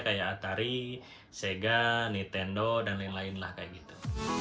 kayak atari sega nintendo dan lain lain lah kayak gitu